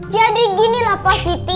jadi ginilah pak sri kiti